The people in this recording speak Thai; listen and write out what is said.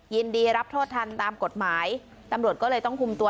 ยินดีรับโทษทันตามกฎหมายตำรวจก็เลยต้องคุมตัว